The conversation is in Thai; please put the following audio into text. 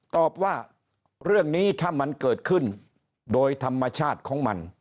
ตอบว่าเรื่องนี้ถ้ามันเกิดขึ้นโดยธรรมชาติของมัน